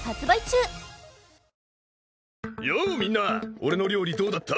俺の料理どうだった？